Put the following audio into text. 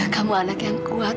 kamu anak yang kuat